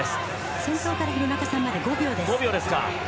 先頭から廣中さんまで５秒です。